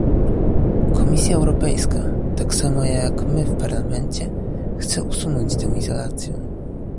Komisja Europejska - tak samo jak my w Parlamencie - chce usunąć tę izolację